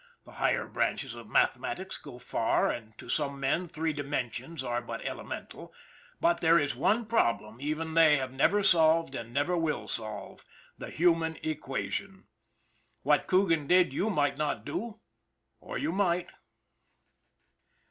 The higher branches of mathematics go far, and to some men three dimensions are but elemental, but there is one problem even they have never solved and never will solve the human equation. What Coogan did, you might not do or you might.